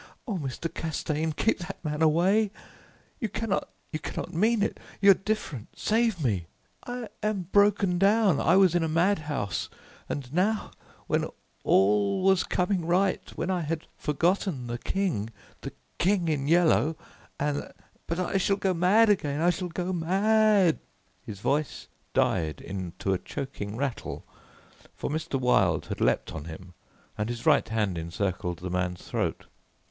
Oh, Mr. Castaigne, keep that man away. You cannot, you cannot mean it! You are different save me! I am broken down I was in a madhouse and now when all was coming right when I had forgotten the King the King in Yellow and but I shall go mad again I shall go mad " His voice died into a choking rattle, for Mr. Wilde had leapt on him and his right hand encircled the man's throat.